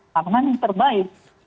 harga yang terbaik